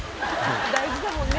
大事だもんね。